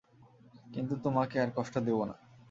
কিন্তু তোমাকে আর কষ্ট দেবো না।